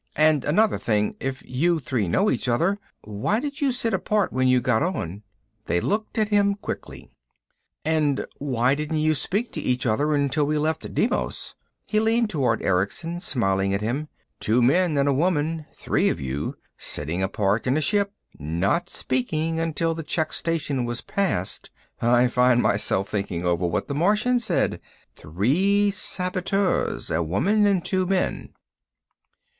"And another thing. If you three know each other, why did you sit apart when you got on?" They looked at him quickly. "And why didn't you speak to each other until we left Deimos?" He leaned toward Erickson, smiling at him. "Two men and a woman. Three of you. Sitting apart in the ship. Not speaking, not until the check station was past. I find myself thinking over what the Martian said. Three saboteurs. A woman and two men."